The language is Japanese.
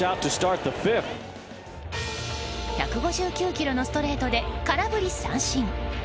１５９キロのストレートで空振り三振。